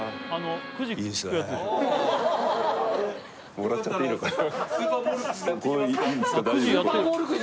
もらっちゃっていいのかな？